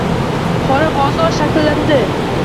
Qora bozor shakllandi